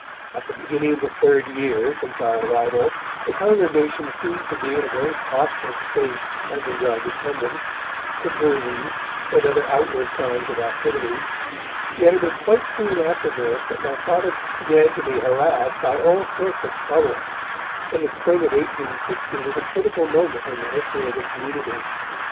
At the beginning of the third year since our arrival, the congregation seemed to be in a very prosperous state, as regards attendance, conversions and other outward signs of activity. Yet it was quite soon after this that my Father began to be harassed by all sorts of troubles, and the spring of 1860 was a critical moment in the history of the community.